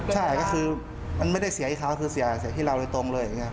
ใช่มันก็คือมันไม่ได้เสียที่เขาแต่เสียที่เราเลยตรงเลย